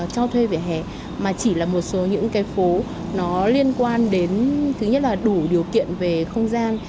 cho thuê vỉa hè mà chỉ là một số những cái phố nó liên quan đến thứ nhất là đủ điều kiện về không gian